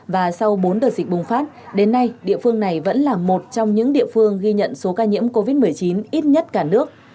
và sau bốn đợt dịch bùng phát đến nay địa phương này vẫn là một trong những địa phương ghi nhận số ca nhiễm covid một mươi chín ít nhất cả nước